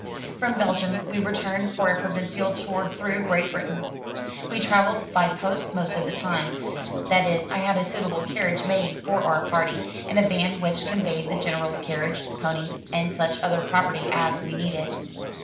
From Belgium we returned for a provincial tour through Great Britain. We traveled by post most of the time — that is I had a suitable carriage made for our party, and a van which conveyed the General's carriage, ponies, and such other property as we needed.